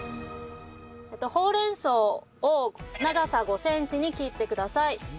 ほうれん草を長さ５センチに切ってください。